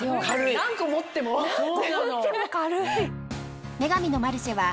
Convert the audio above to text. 何個持っても軽い。